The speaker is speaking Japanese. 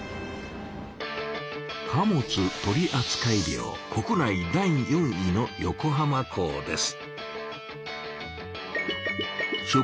貨物取りあつかい量国内第４位の横浜港です。